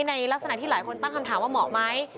ในลักษณะที่หลายคนตั้งคำถามว่าเหมาะไหม